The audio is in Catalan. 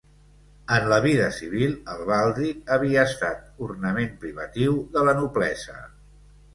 En la vida civil el baldric havia estat ornament privatiu de la noblesa.